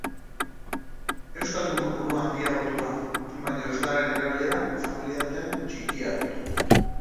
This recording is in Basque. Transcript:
Euskaldun kopurua handiagotu da, baina euskararen erabilera familiartean txikiagotu.